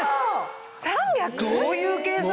どういう計算？